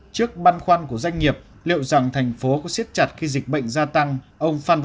trước băn khoăn của doanh nghiệp liệu rằng thành phố có siết chặt khi dịch bệnh gia tăng